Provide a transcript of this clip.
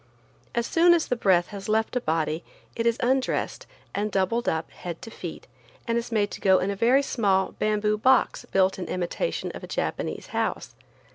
As soon as the breath has left a body it is undressed and doubled up, head to feet, and is made to go in a very small bamboo box built in imitation of a Japanese house.